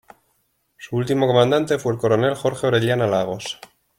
Su último comandante fue el Coronel Jorge Orellana Lagos.